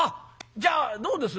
じゃあどうです